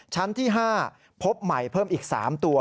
ชั้นที่๕พบใหม่เพิ่มอีก๓ตัว